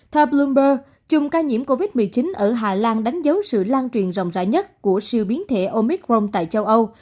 tha bloomberg chùm ca nhiễm covid một mươi chín ở hà lan đánh dấu sự lan truyền rộng rãi nhất của siêu biến thể omicron tại châu âu